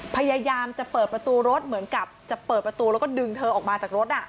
พยายามจะเปิดประตูรถเหมือนกับจะเปิดประตูแล้วก็ดึงเธอออกมาจากรถ